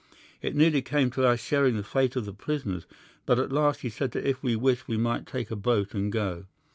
It nearly came to our sharing the fate of the prisoners, but at last he said that if we wished we might take a boat and go.